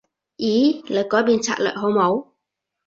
咦？你改變策略好冇？